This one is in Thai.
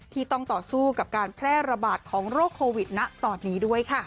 ที่ต้องต่อสู้กับการแพร่ระบาดของโรคโควิดณตอนนี้ด้วยค่ะ